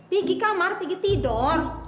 pergi kamar pergi tidur